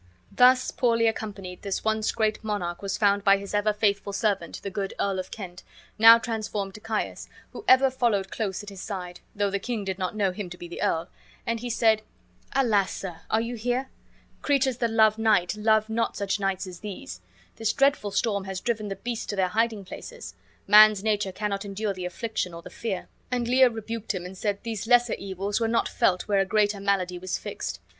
Thus poorly accompanied, this once great monarch was found by his ever faithful servant the good Earl of Kent, now transformed to Caius, who ever followed close at his side, though the king did not know him to be the earl; and be said: "Alas, sir, are you here? Creatures that love night love not such nights as these. This dreadful storm has driven the beasts to their hiding places. Man's nature cannot endure the affliction or the fear." And Lear rebuked him and said these lesser evils were not felt where a greater malady was fixed.